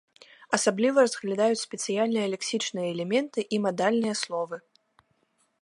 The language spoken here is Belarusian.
Асабліва разглядаюць спецыяльныя лексічныя элементы і мадальныя словы.